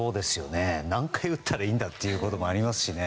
何回打ったらいいんだということもありますしね。